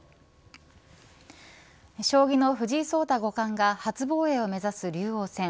将棋の藤井聡太五冠が初防衛を目指す竜王戦。